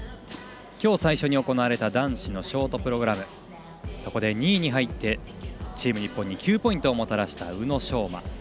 今日最初に行われた男子のショートプログラムそこで２位に入ってチーム日本に９ポイントをもたらした宇野昌磨。